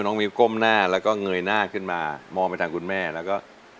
มิวก้มหน้าแล้วก็เงยหน้าขึ้นมามองไปทางคุณแม่แล้วก็